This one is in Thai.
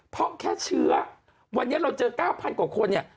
เพราะแค่เชื้อวันนี้เราเจอ๙๐๐กว่าคนเนี่ย